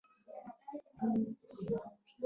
ګټه به د کومېندا ډول ته په کتو وېشل کېده.